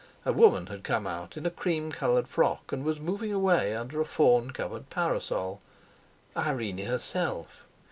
A woman had come out in a cream coloured frock, and was moving away under a fawn coloured parasol. Irene herself!